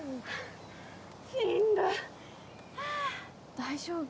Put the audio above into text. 大丈夫？